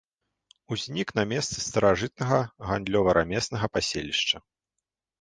Узнік на месцы старажытнага гандлёва-рамеснага паселішча.